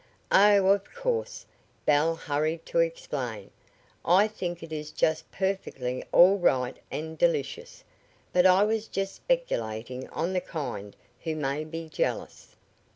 "Oh, of course," Belle hurried to explain, "I think it is just perfectly all right and delicious, but I was just speculating on the kind who may be jealous."